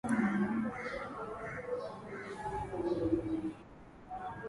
amesema marekani ililazimika kushusha thamani yake sarafu